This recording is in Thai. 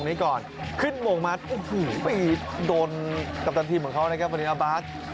แต่อ้นโหเราก็เกือบจะกำจัดทีมของเค้า